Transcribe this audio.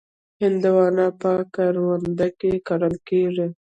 هندوانه په کرونده کې کرل کېږي.